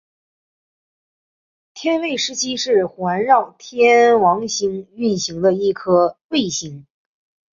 天卫十七是环绕天王星运行的一颗卫星。